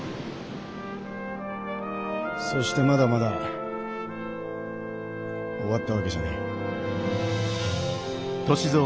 そしてまだまだ終わったわけじゃねえ。